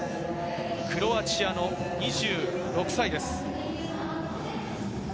クロアチアの２６歳です。